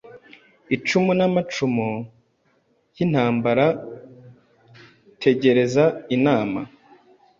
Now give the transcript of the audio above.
Icumu namacumu yintambarategereza inama